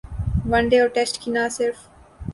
one day اور test کی نہ صرف